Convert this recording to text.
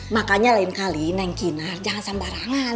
makanya lain kali hilang jangan sambarangan